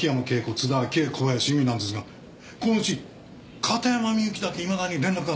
津田明江小林由美なんですがこのうち片山みゆきだけいまだに連絡がとれてません。